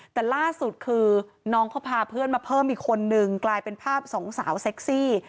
แต่ล่าสุดคือน้องเขาพาเพื่อนมาเพิ่มอีกคนนึงกลายเป็นภาพสองสาวเซ็กซี่